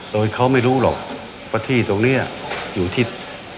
โดยเขาไม่รู้หรอกว่าที่ตรงนี้อยู่ที่